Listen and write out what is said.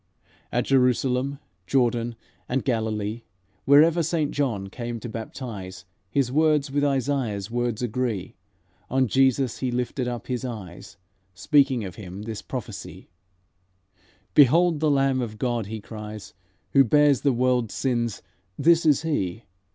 "At Jerusalem, Jordan and Galilee, Wherever Saint John came to baptize, His words with Isaiah's words agree. On Jesus he lifted up his eyes, Speaking of Him this prophecy: 'Behold the Lamb of God!' he cries: 'Who bears the world's sins, this is He!